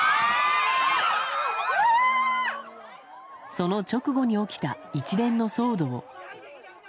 その直後に起きた一連の騒動。